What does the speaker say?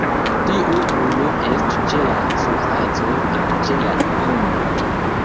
Tiu ujo estu ĉe la surfaco aŭ ĉe la fundo.